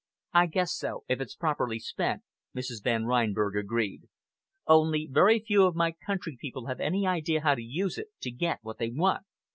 "I guess so, if it's properly spent," Mrs. Van Reinberg agreed. "Only very few of my country people have any idea how to use it to get what they want.